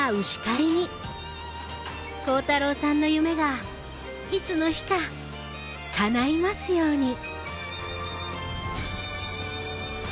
煌太郎さんの夢がいつの日かかないますように。